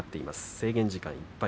制限時間いっぱい。